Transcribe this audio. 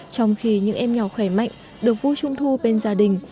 trong khi những em nhỏ khỏe mạnh được vui trung thu bên gia đình